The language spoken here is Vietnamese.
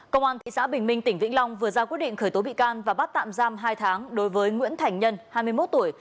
công an thị xã bình minh tỉnh vĩnh long vừa ra quyết định khởi tố bị can và bắt tạm giam hai tháng đối với nguyễn thành nhân hai mươi một tuổi